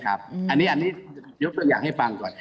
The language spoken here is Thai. อันนี้ยกตัวอย่างให้ฟังก่อน